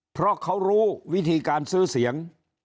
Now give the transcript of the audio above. เพราะเขารู้วิธีการซื้อเสียง